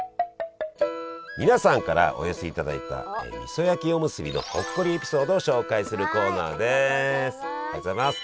皆さんからお寄せいただいたみそ焼きおむすびのほっこりエピソードを紹介するコーナーです。